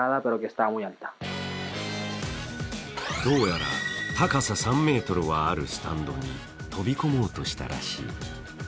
どうやら、高さ３ｍはあるスタンドに飛び込もうとしたらしい。